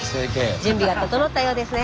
準備が整ったようですね。